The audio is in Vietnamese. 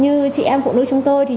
như chị em phụ nữ chúng tôi